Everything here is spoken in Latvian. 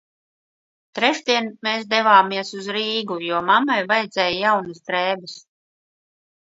Trešdien mēs devāmies uz Rīgu, jo mammai vajadzēja jaunas drēbes.